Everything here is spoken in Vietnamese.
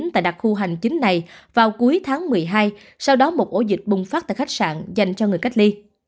tại đặc khu hành chính này vào cuối tháng một mươi hai sau đó một ổ dịch bùng phát tại khách sạn dành cho người cách ly